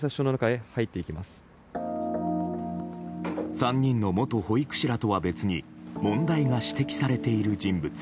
３人の元保育士らとは別に問題が指摘されている人物